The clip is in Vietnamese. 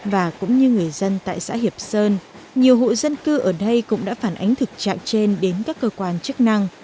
và cũng như người dân tại xã hiệp sơn nhiều hộ dân cư ở đây cũng đã phản ánh thực trạng trên đến các cơ quan chức năng